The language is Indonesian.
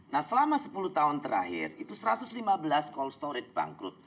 nah selama sepuluh tahun terakhir itu satu ratus lima belas cold storage bangkrut